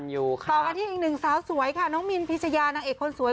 ต่อกันที่อีกหนึ่งสาวสวยค่ะน้องมินพิชยานางเอกคนสวย